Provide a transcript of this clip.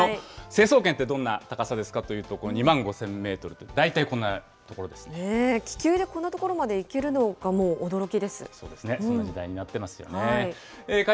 成層圏ってどんな高さですかというと、２万５０００メートルって、気球でこんな所まで行けるのそうですね、そういう時代になってますよね。